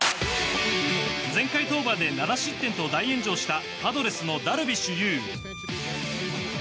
前回登板で７失点と大炎上したパドレスのダルビッシュ有。